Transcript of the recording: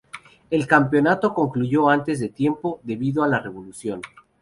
El campeonato concluyó antes de tiempo, debido a la revolución.